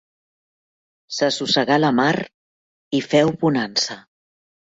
S'assossegà la mar i feu bonança.